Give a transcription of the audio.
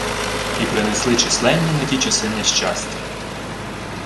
І принесли численні на ті часи нещастя